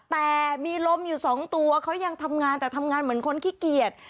แต่มีลมอยู่สองตัวเขายังทำงานแต่ทำงานเหมือนคนขี้เกียจ